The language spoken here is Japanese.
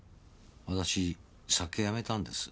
私酒やめたんです。